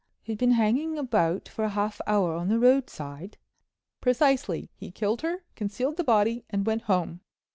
"Who'd been hanging about for a half hour on the roadside?" "Precisely. He killed her, concealed the body, and went home."